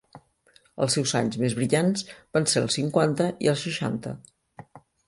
Els seus anys més brillants van ser els cinquanta i els seixanta.